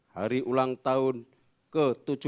hari ulang tahun ke tujuh puluh dua